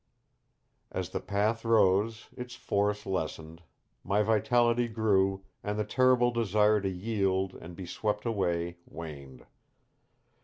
As the path rose, its force lessened, my vitality grew, and the terrible desire to yield and be swept away waned.